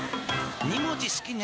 ２文字好きね］